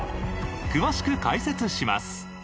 詳しく解説します。